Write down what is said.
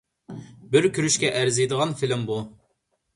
بىر كۆرۈشكە ئەرزىيدىغان فىلىم بۇ.